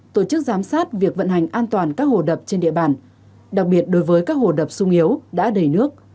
tổ chức giám sát việc vận hành an toàn các hồ đập trên địa bàn đặc biệt đối với các hồ đập sung yếu đã đầy nước